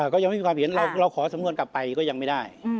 ก็ยังไม่มีความเห็นเราขอสำนวนกลับไปก็ยังไม่ได้